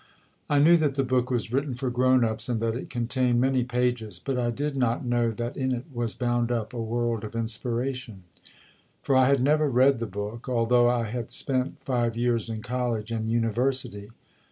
I knew that the book was written for grown ups and that it contained many pages, but I did not know that in it was bound up a world of inspira tion; for I had never read the book, although I had spent five years in college and university.